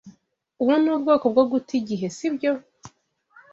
Ubu ni ubwoko bwo guta igihe, sibyo?